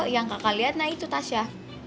yang kakak lihat nah itu tasya